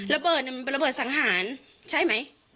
ระเบิดมันเป็นระเบิดสังหารใช่ไหม